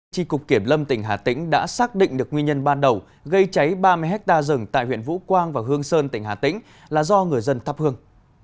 tri cục kiểm lâm tỉnh hà tĩnh đã xác định được nguyên nhân ban đầu gây cháy ba mươi hectare rừng tại huyện vũ quang và hương sơn tỉnh hà tĩnh là do người dân thắp hương